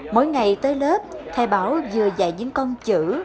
mỗi ngày tới lớp thầy bảo vừa dạy những con chữ